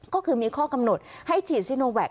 ก็คือมีข้อกำหนดให้ฉีดซิโนแวค